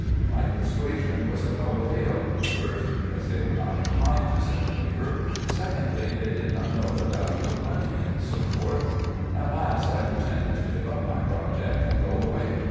My persuasion was of no avail ; first, because they were not inclined to such labour ; secondly, they did not know the value of money, &c. At last I pre tended to give up my project, and go away.